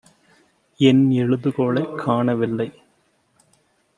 என் எழுதுகோலைக் காணவில்லை.